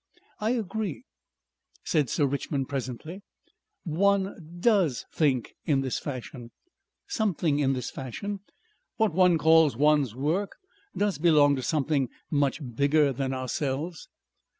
"I agree," said Sir Richmond presently. "One DOES think in this fashion. Something in this fashion. What one calls one's work does belong to something much bigger than ourselves.